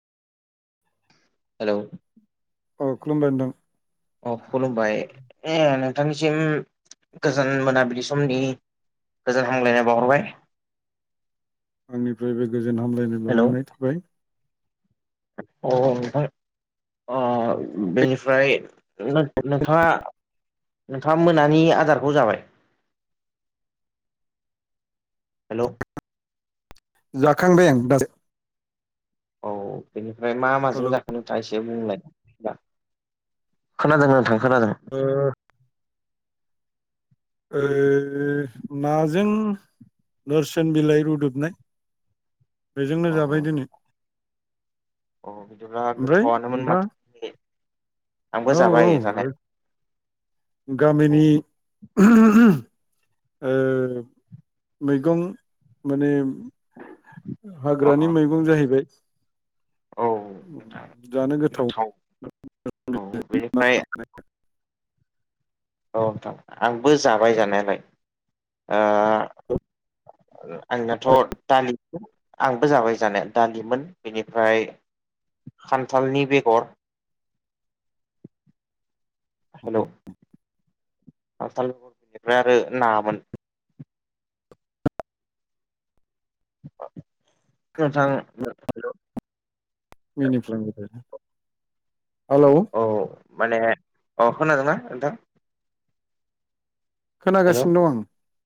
Hello औ खुलुमबाय नोंथां। अ खुलुमबाय नोंथांनिसिम गोजोन मोनाबिलि समनि गोजोन हामलायनाय बावहरबाय आंनिफ्रायबो गोजोन हामलायनो हेलौ बावहरनाय थाबाय अ नोंथां अ बेनिफ्राय नों-नोंथाङा नोंथाङा मोनानि आदारखौ जाबाय। हेलौ जाखांबाय आं दा औ बेनिफ्राय मा माजों हेलौ जाखो? नोंथाङा एसे बुंलाय खोनादों नोंथां खोनादों? उम ओ नाजों नोरसोन बिलाइ रुदुबनाय बेजोंनो जाबाय दिनै अ बिदिब्ला ओमफ्राय गोथावानोमोन नोंथाङा माथो आंबो औ औ जाबाय जानाय गामिनि [unintelligible] ओ मैगं माने अ हाग्रानि मैं गं जाहैबाय औ नोंथां जानो गोथाव औ बेनिफ्राय औ नोंथां आंबो जाबाय जानायालाय। ओ आंनाथ' दालि आंबो जाबाय जानो दालिमोन। बेनिफ्राय खान्थालनि बेगर हेलौ खान्थाल‌ ओमफ्राय आरो नामोन। अ नोंथां मिनि [unintelligible] हेलौ औ औ माने औ खोनादोंना नोंथां? हेलौ खोनागासिनो दं आं